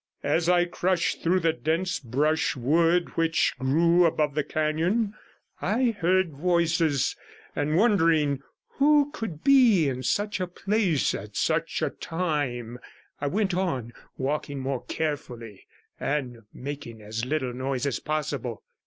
As I crushed through the dense brushwood which grew above the canon I heard voices; and wondering who could be in such a place at such a time, I went on, walking more carefully, and 28 making as little noise as possible.